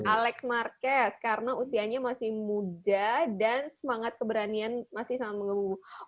alex marquez karena usianya masih muda dan semangat keberanian masih sangat mengembuh